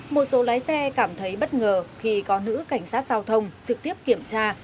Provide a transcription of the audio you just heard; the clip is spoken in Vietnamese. một số lái xe cảm thấy bất ngờ khi có nữ cảnh sát giao thông trực tiếp kiểm tra